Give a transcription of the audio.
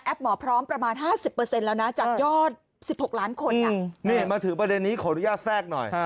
หมอพร้อมประมาณ๕๐แล้วนะจากยอด๑๖ล้านคนนี่มาถึงประเด็นนี้ขออนุญาตแทรกหน่อย